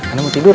anda mau tidur